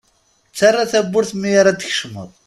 Ttarra tawwurt mi ara d-tkecmeḍ.